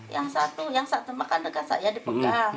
yang satu yang satu makan dekat saya dipegang